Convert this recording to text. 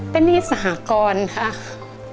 เป็นหนี้สหกรณ์ค่ะ